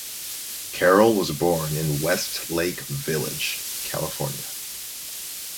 Carroll was born in Westlake Village, California.